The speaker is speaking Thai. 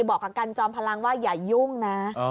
บอกกับกันจอมพลังว่าอย่ายุ่งนะ